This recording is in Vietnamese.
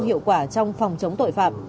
hiệu quả trong phòng chống tội phạm